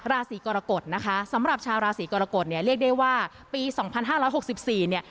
ราศีกรกฏนะคะสำหรับชาวราศีกรกฏเนี่ยเรียกได้ว่าปีสองพันห้าร้อยหกสิบสี่เนี่ย